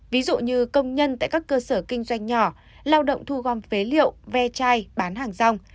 ví dụ như công nhân tại các cơ sở kinh doanh nhỏ lao động thu gom phế liệu ve chai bán hàng rong